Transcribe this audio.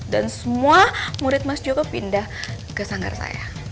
dan semua murid mas joko pindah ke sanggar saya